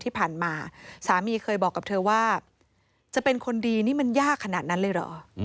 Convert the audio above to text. ที่ผ่านมาสามีเคยบอกกับเธอว่าจะเป็นคนดีนี่มันยากขนาดนั้นเลยเหรอ